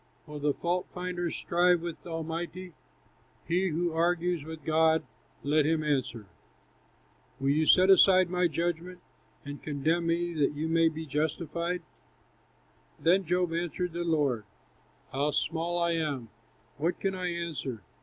"Will the fault finder strive with Almighty? He who argues with God, let him answer. Will you set aside my judgment, And condemn me, that you may be justified?" Then Job answered the Lord: "How small I am! what can I answer?